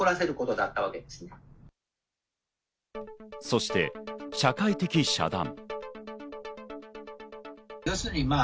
そして社会的遮断。